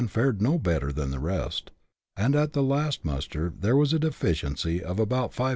fared no better than the rest, and at the last muster there was a deficiency of about 500.